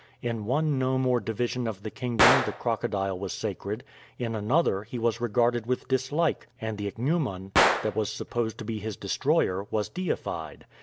In one nome or division of the kingdom the crocodile was sacred; in another he was regarded with dislike, and the ichneumon, that was supposed to be his destroyer, was deified.